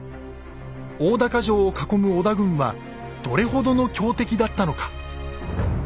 大高城を囲む織田軍はどれほどの強敵だったのか。